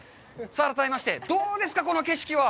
さあ、改めまして、どうですか、この景色は！